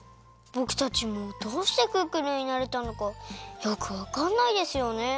ぼくたちもどうしてクックルンになれたのかよくわかんないですよね。